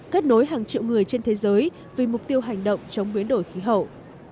kết nối hàng triệu người trên thế giới vì mục tiêu hành động chống biến đổi khí hậu